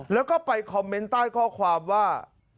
แล้วก็ไปคอมเมนต์ใต้ข้อความว่า